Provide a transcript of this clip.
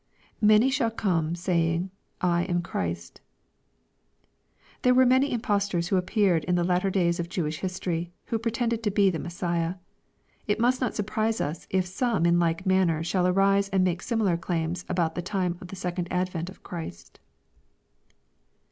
[Many shall come 8ay%ng..J am Christy There were many im postors who appeared in the latter days of Jewish history, who pretended to be the Messiah. It must not surprise us if some in like manner shall arise and make similar claims about the time of the second advent of Christ.